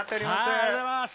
ありがとうございます。